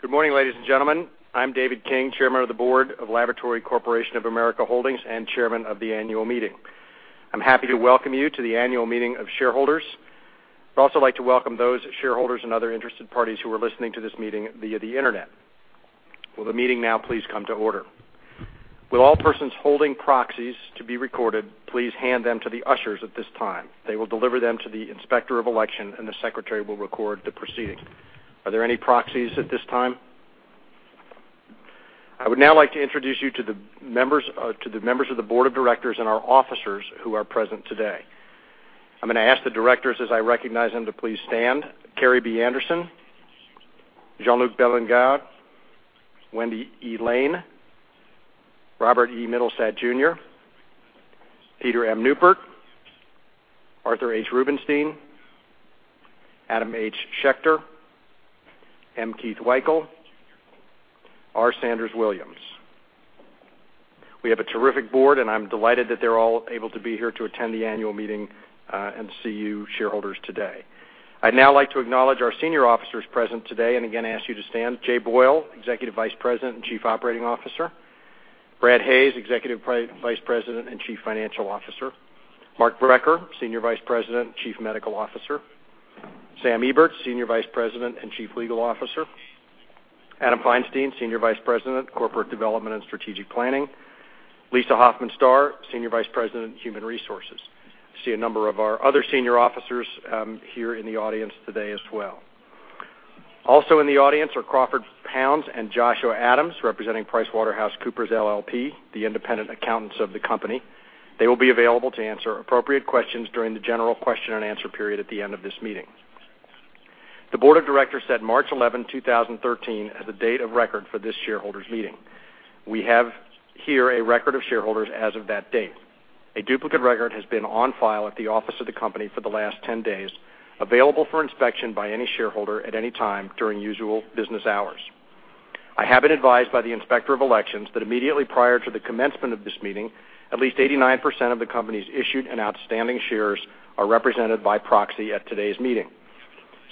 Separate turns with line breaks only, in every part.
Good morning, ladies and gentlemen. I'm David King, Chairman of the Board of Laboratory Corporation of America Holdings and Chairman of the Annual Meeting. I'm happy to welcome you to the Annual Meeting of Shareholders. I'd also like to welcome those shareholders and other interested parties who are listening to this meeting via the Internet. Will the meeting now please come to order? Will all persons holding proxies to be recorded, please hand them to the ushers at this time. They will deliver them to the Inspector of Elections, and the Secretary will record the proceedings. Are there any proxies at this time? I would now like to introduce you to the members of the Board of Directors and our officers who are present today. I'm going to ask the directors, as I recognize them, to please stand: Kerrii B. Anderson, Jean-Luc Bélingard, Wendy E. Lane, Robert E. Mittelstaedt, Jr., Peter M. Neupert, Arthur H. Rubenstein, Adam H. Schechter, M. Keith Weikel, R. Sanders Williams. We have a terrific board, and I'm delighted that they're all able to be here to attend the Annual Meeting and see you shareholders today. I'd now like to acknowledge our senior officers present today and again ask you to stand: Jay Boyle, Executive Vice President and Chief Operating Officer; Brad Hayes, Executive Vice President and Chief Financial Officer; Mark Brecher, Senior Vice President and Chief Medical Officer; Sam Eberts, Senior Vice President and Chief Legal Officer; Adam Feinstein, Senior Vice President, Corporate Development and Strategic Planning; Lisa Hoffman Starr, Senior Vice President, Human Resources. I see a number of our other senior officers here in the audience today as well. Also in the audience are Crawford Pounds and Joshua Adams, representing PricewaterhouseCoopers LLP, the independent accountants of the company. They will be available to answer appropriate questions during the general question and answer period at the end of this meeting. The Board of Directors set March 11, 2013, as the date of record for this shareholders' meeting. We have here a record of shareholders as of that date. A duplicate record has been on file at the office of the company for the last 10 days, available for inspection by any shareholder at any time during usual business hours. I have been advised by the Inspector of Elections that immediately prior to the commencement of this meeting, at least 89% of the company's issued and outstanding shares are represented by proxy at today's meeting.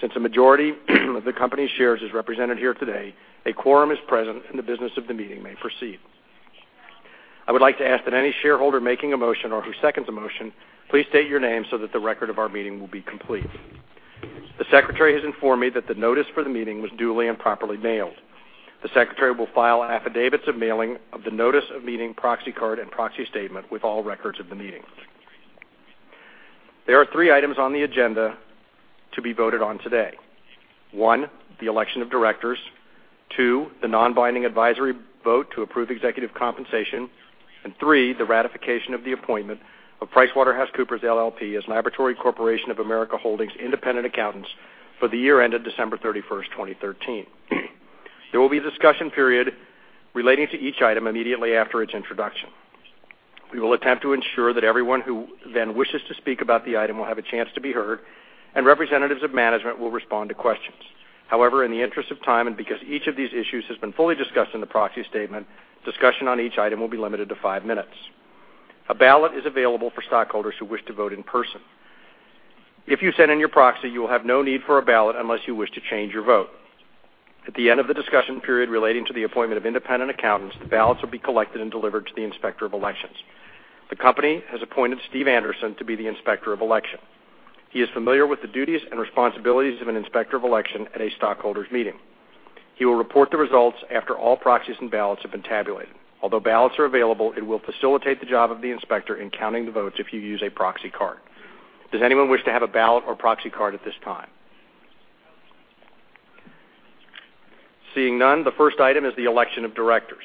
Since a majority of the company's shares is represented here today, a quorum is present, and the business of the meeting may proceed. I would like to ask that any shareholder making a motion or who seconds a motion, please state your name so that the record of our meeting will be complete. The Secretary has informed me that the notice for the meeting was duly and properly mailed. The Secretary will file affidavits of mailing of the notice of meeting, proxy card, and proxy statement with all records of the meeting. There are three items on the agenda to be voted on today: one, the election of directors; two, the non-binding advisory vote to approve executive compensation; and three, the ratification of the appointment of PricewaterhouseCoopers LLP as Laboratory Corporation of America Holdings independent accountants for the year ended December 31st, 2013. There will be a discussion period relating to each item immediately after its introduction. We will attempt to ensure that everyone who then wishes to speak about the item will have a chance to be heard, and representatives of management will respond to questions. However, in the interest of time and because each of these issues has been fully discussed in the proxy statement, discussion on each item will be limited to five minutes. A ballot is available for stockholders who wish to vote in person. If you send in your proxy, you will have no need for a ballot unless you wish to change your vote. At the end of the discussion period relating to the appointment of independent accountants, the ballots will be collected and delivered to the Inspector of Elections. The company has appointed Steve Anderson to be the Inspector of Elections. He is familiar with the duties and responsibilities of an Inspector of Elections at a stockholders' meeting. He will report the results after all proxies and ballots have been tabulated. Although ballots are available, it will facilitate the job of the Inspector in counting the votes if you use a proxy card. Does anyone wish to have a ballot or proxy card at this time? Seeing none, the first item is the election of directors.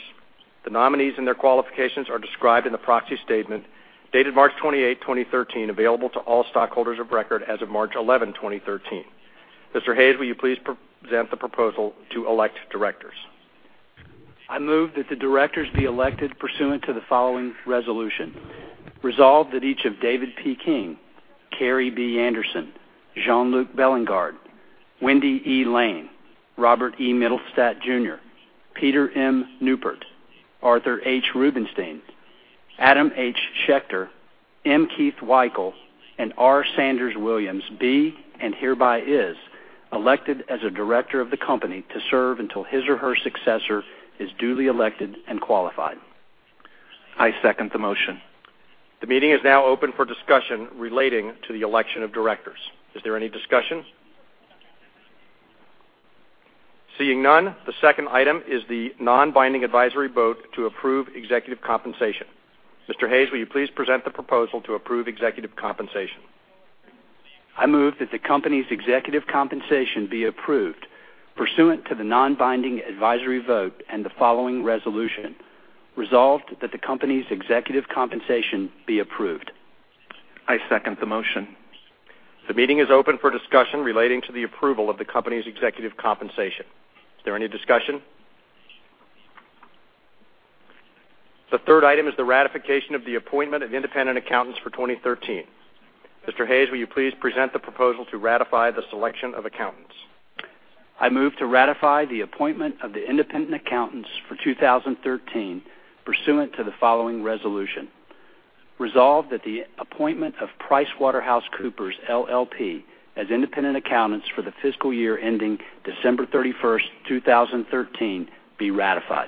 The nominees and their qualifications are described in the proxy statement dated March 28, 2013, available to all stockholders of record as of March 11, 2013. Mr. Hayes, will you please present the proposal to elect directors?
I move that the directors be elected pursuant to the following resolution: resolved that each of David P. King, Kerrii B. Anderson, Jean-Luc Bélingard, Wendy E. Lane, Robert E. Mittelstaedt, Jr., Peter M. Neupert, Arthur H. Rubenstein, Adam H. Schechter, M. Keith Weikel, and R. Sanders Williams be and hereby is elected as a director of the company to serve until his or her successor is duly elected and qualified.
I second the motion.
The meeting is now open for discussion relating to the election of directors. Is there any discussion? Seeing none, the second item is the non-binding advisory vote to approve executive compensation. Mr. Hayes, will you please present the proposal to approve executive compensation?
I move that the company's executive compensation be approved pursuant to the non-binding advisory vote and the following resolution: Resolved that the company's executive compensation be approved.
I second the motion.
The meeting is open for discussion relating to the approval of the company's executive compensation. Is there any discussion? The third item is the ratification of the appointment of independent accountants for 2013. Mr. Hayes, will you please present the proposal to ratify the selection of accountants?
I move to ratify the appointment of the independent accountants for 2013 pursuant to the following resolution: Resolved that the appointment of PricewaterhouseCoopers LLP as independent accountants for the fiscal year ending December 31st, 2013, be ratified.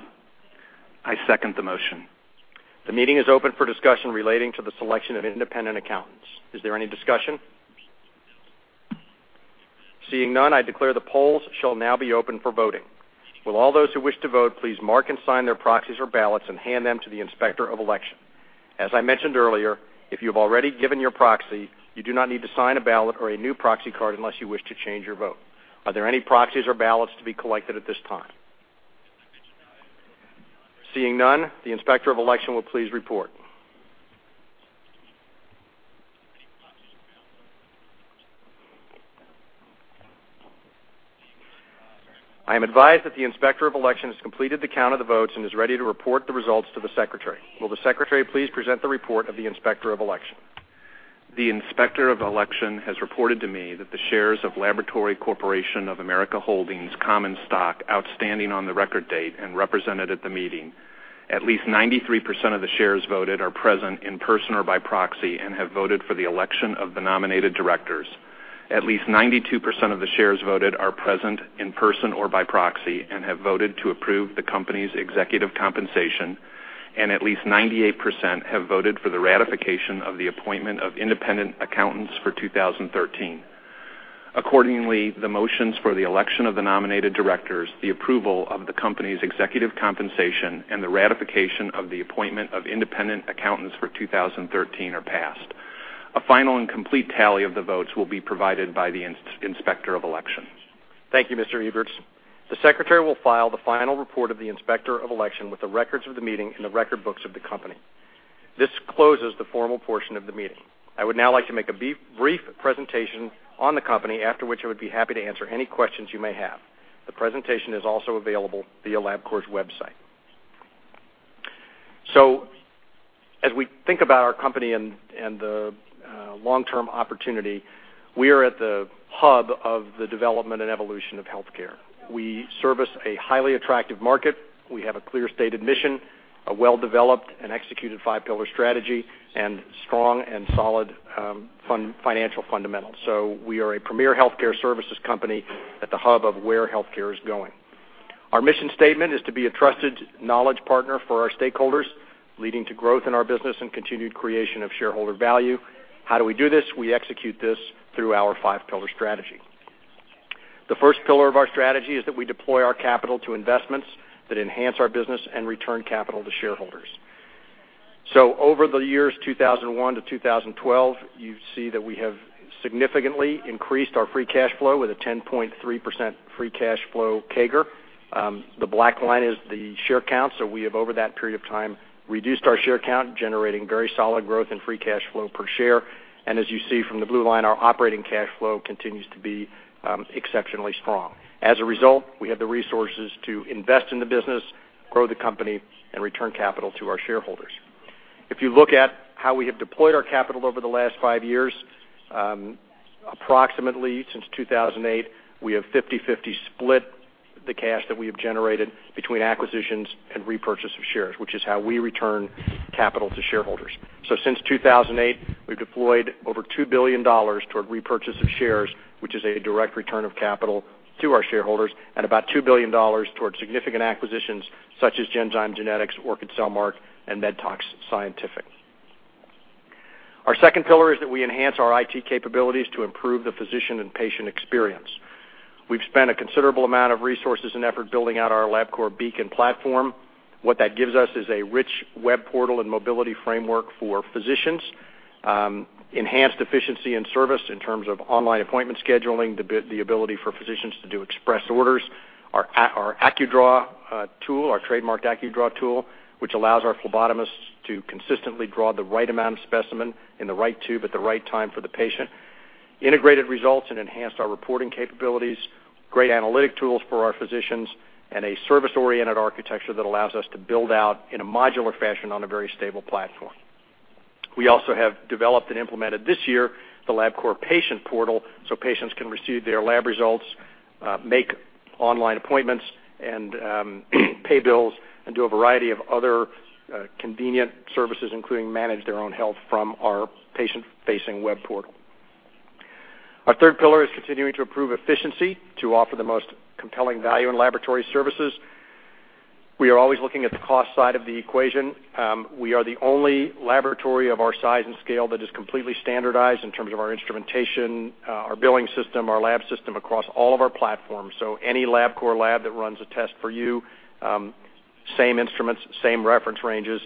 I second the motion.
The meeting is open for discussion relating to the selection of independent accountants. Is there any discussion? Seeing none, I declare the polls shall now be open for voting. Will all those who wish to vote please mark and sign their proxies or ballots and hand them to the Inspector of Elections? As I mentioned earlier, if you have already given your proxy, you do not need to sign a ballot or a new proxy card unless you wish to change your vote. Are there any proxies or ballots to be collected at this time? Seeing none, the Inspector of Elections will please report. I am advised that the Inspector of Elections has completed the count of the votes and is ready to report the results to the Secretary. Will the Secretary please present the report of the Inspector of Elections?
The Inspector of Elections has reported to me that the shares of Laboratory Corporation of America Holdings Common Stock outstanding on the record date and represented at the meeting, at least 93% of the shares voted are present in person or by proxy and have voted for the election of the nominated directors. At least 92% of the shares voted are present in person or by proxy and have voted to approve the company's executive compensation, and at least 98% have voted for the ratification of the appointment of independent accountants for 2013. Accordingly, the motions for the election of the nominated directors, the approval of the company's executive compensation, and the ratification of the appointment of independent accountants for 2013 are passed. A final and complete tally of the votes will be provided by the Inspector of Elections.
Thank you, Mr. Eberts. The Secretary will file the final report of the Inspector of Election with the records of the meeting in the record books of the company. This closes the formal portion of the meeting. I would now like to make a brief presentation on the company, after which I would be happy to answer any questions you may have. The presentation is also available via 's website. As we think about our company and the long-term opportunity, we are at the hub of the development and evolution of healthcare. We service a highly attractive market. We have a clear stated mission, a well-developed and executed five-pillar strategy, and strong and solid financial fundamentals. We are a premier healthcare services company at the hub of where healthcare is going. Our mission statement is to be a trusted knowledge partner for our stakeholders, leading to growth in our business and continued creation of shareholder value. How do we do this? We execute this through our five-pillar strategy. The first pillar of our strategy is that we deploy our capital to investments that enhance our business and return capital to shareholders. Over the years 2001 to 2012, you see that we have significantly increased our free cash flow with a 10.3% free cash flow CAGR. The black line is the share count, so we have, over that period of time, reduced our share count, generating very solid growth in free cash flow per share. As you see from the blue line, our operating cash flow continues to be exceptionally strong. As a result, we have the resources to invest in the business, grow the company, and return capital to our shareholders. If you look at how we have deployed our capital over the last five years, approximately since 2008, we have 50/50 split the cash that we have generated between acquisitions and repurchase of shares, which is how we return capital to shareholders. Since 2008, we've deployed over $2 billion toward repurchase of shares, which is a direct return of capital to our shareholders, and about $2 billion toward significant acquisitions such as Genzyme Genetics, Orchid Cellmark, and MEDTOX Scientific. Our second pillar is that we enhance our IT capabilities to improve the physician and patient experience. We've spent a considerable amount of resources and effort building out our LabCorp Beacon platform. What that gives us is a rich web portal and mobility framework for physicians, enhanced efficiency and service in terms of online appointment scheduling, the ability for physicians to do express orders, our AccuDraw tool, our trademarked AccuDraw tool, which allows our phlebotomists to consistently draw the right amount of specimen in the right tube at the right time for the patient, integrated results and enhanced our reporting capabilities, great analytic tools for our physicians, and a service-oriented architecture that allows us to build out in a modular fashion on a very stable platform. We also have developed and implemented this year the LabCorp Patient Portal, so patients can receive their lab results, make online appointments, and pay bills, and do a variety of other convenient services, including manage their own health from our patient-facing web portal. Our third pillar is continuing to improve efficiency to offer the most compelling value in laboratory services. We are always looking at the cost side of the equation. We are the only laboratory of our size and scale that is completely standardized in terms of our instrumentation, our billing system, our lab system across all of our platforms. Any LabCorp lab that runs a test for you, same instruments, same reference ranges,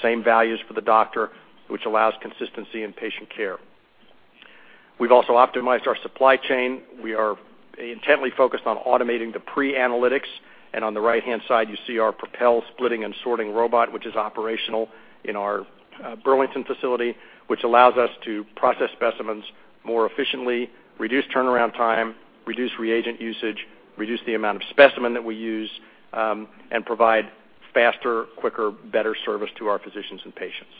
same values for the doctor, which allows consistency in patient care. We've also optimized our supply chain. We are intently focused on automating the pre-analytics, and on the right-hand side, you see our Propel splitting and sorting robot, which is operational in our Burlington facility, which allows us to process specimens more efficiently, reduce turnaround time, reduce reagent usage, reduce the amount of specimen that we use, and provide faster, quicker, better service to our physicians and patients.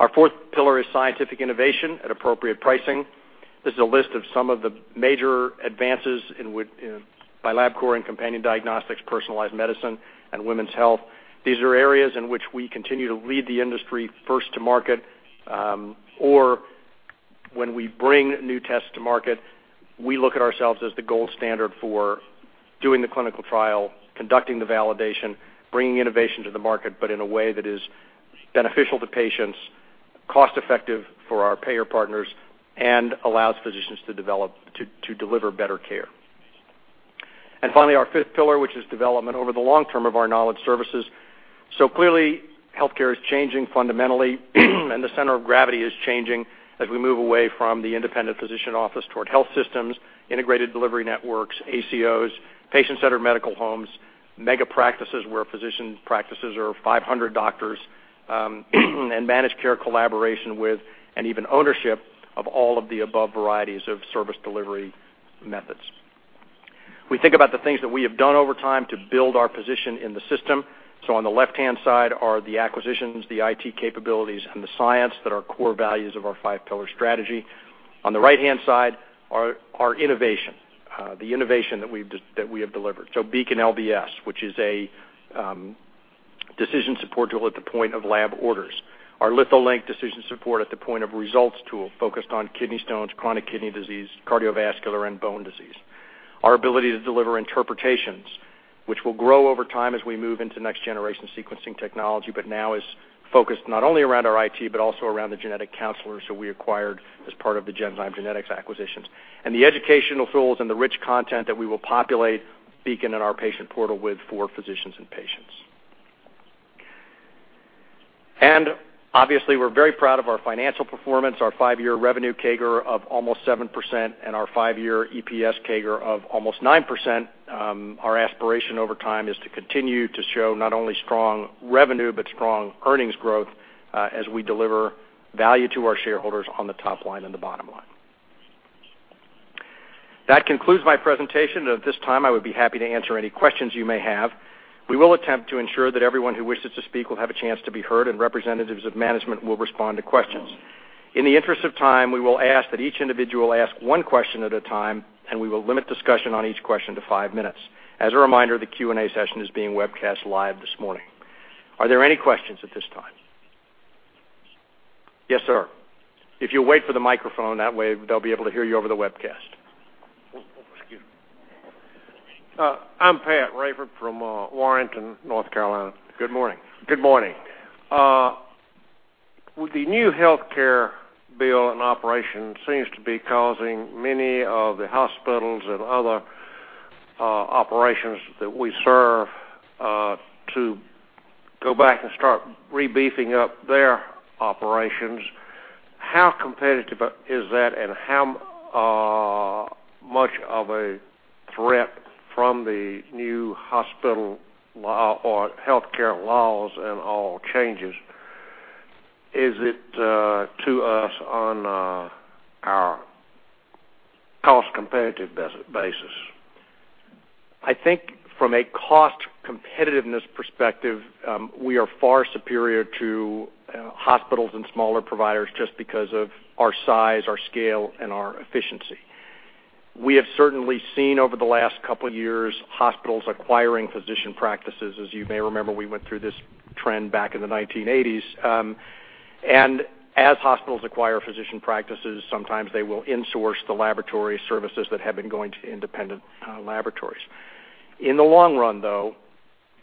Our fourth pillar is scientific innovation at appropriate pricing. This is a list of some of the major advances by LabCorp in companion diagnostics, personalized medicine, and women's health. These are areas in which we continue to lead the industry, first to market, or when we bring new tests to market, we look at ourselves as the gold standard for doing the clinical trial, conducting the validation, bringing innovation to the market, but in a way that is beneficial to patients, cost-effective for our payer partners, and allows physicians to deliver better care. Finally, our fifth pillar, which is development over the long term of our knowledge services. Clearly, healthcare is changing fundamentally, and the center of gravity is changing as we move away from the independent physician office toward health systems, integrated delivery networks, ACOs, patient-centered medical homes, mega practices where physician practices are 500 doctors, and managed care collaboration with and even ownership of all of the above varieties of service delivery methods. We think about the things that we have done over time to build our position in the system. On the left-hand side are the acquisitions, the IT capabilities, and the science that are core values of our five-pillar strategy. On the right-hand side are innovation, the innovation that we have delivered. BeaconLBS, which is a decision support tool at the point of lab orders. Our Litholink decision support at the point of results tool focused on kidney stones, chronic kidney disease, cardiovascular, and bone disease. Our ability to deliver interpretations, which will grow over time as we move into next-generation sequencing technology, but now is focused not only around our IT but also around the genetic counselors who we acquired as part of the Genzyme Genetics acquisitions. The educational tools and the rich content that we will populate Beacon and our patient portal with for physicians and patients. Obviously, we're very proud of our financial performance, our five-year revenue CAGR of almost 7%, and our five-year EPS CAGR of almost 9%. Our aspiration over time is to continue to show not only strong revenue but strong earnings growth as we deliver value to our shareholders on the top line and the bottom line. That concludes my presentation, and at this time, I would be happy to answer any questions you may have. We will attempt to ensure that everyone who wishes to speak will have a chance to be heard, and representatives of management will respond to questions. In the interest of time, we will ask that each individual ask one question at a time, and we will limit discussion on each question to five minutes. As a reminder, the Q&A session is being webcast live this morning. Are there any questions at this time? Yes, sir. If you'll wait for the microphone, that way they'll be able to hear you over the webcast. I'm Pat Raffert from Warrenton, North Carolina. Good morning. Good morning. The new healthcare bill and operation seems to be causing many of the hospitals and other operations that we serve to go back and start rebeefing up their operations. How competitive is that, and how much of a threat from the new hospital healthcare laws and all changes is it to us on our cost-competitive basis? I think from a cost-competitiveness perspective, we are far superior to hospitals and smaller providers just because of our size, our scale, and our efficiency. We have certainly seen over the last couple of years hospitals acquiring physician practices. As you may remember, we went through this trend back in the 1980s. As hospitals acquire physician practices, sometimes they will insource the laboratory services that have been going to independent laboratories. In the long run, though,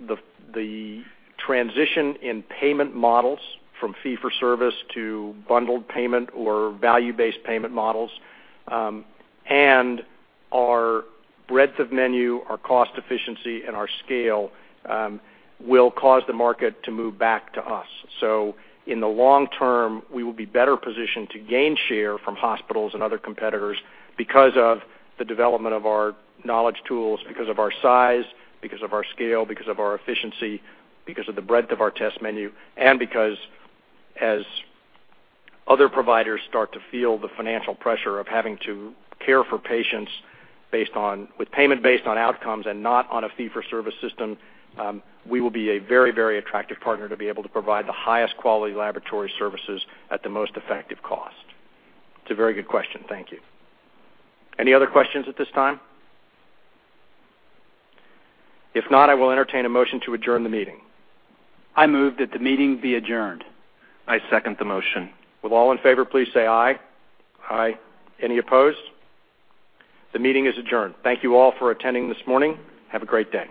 the transition in payment models from fee-for-service to bundled payment or value-based payment models and our breadth of menu, our cost efficiency, and our scale will cause the market to move back to us. In the long term, we will be better positioned to gain share from hospitals and other competitors because of the development of our knowledge tools, because of our size, because of our scale, because of our efficiency, because of the breadth of our test menu, and because as other providers start to feel the financial pressure of having to care for patients with payment based on outcomes and not on a fee-for-service system, we will be a very, very attractive partner to be able to provide the highest quality laboratory services at the most effective cost. It's a very good question. Thank you. Any other questions at this time? If not, I will entertain a motion to adjourn the meeting.
I move that the meeting be adjourned.
I second the motion.
Will all in favor please say aye?
Aye.
Any opposed? The meeting is adjourned. Thank you all for attending this morning. Have a great day.